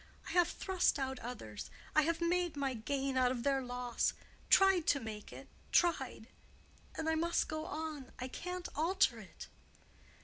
"I have thrust out others—I have made my gain out of their loss—tried to make it—tried. And I must go on. I can't alter it."